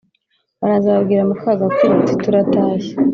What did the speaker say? baraza babwira muka gakwi bati «turatashye